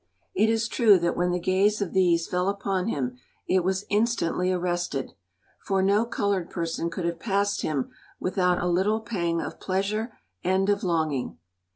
It is true that when the gaze of these fell upon him it was instantly arrested, for no colored person could have passed him without a little pang of pleasure and of longing.